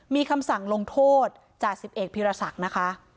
มีคำสั่งลงโทษจาก๑๑พิราษักรณ์นะคะ